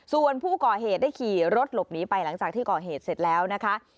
ส่วนผู้ก่อเหตุได้ขี่รถหลบหนีไปหลังจากที่ก่อเหตุเสร็จแล้วนะคะ